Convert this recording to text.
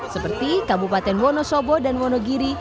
seperti kabupaten wonosobo dan wonogiri